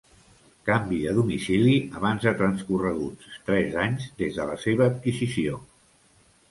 Canvi de domicili abans de transcorreguts tres anys des de la seva adquisició.